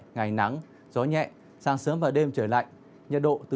ngày nắng gió nhẹ sáng sớm và đêm trời lạnh nhiệt độ từ một mươi chín ba mươi độ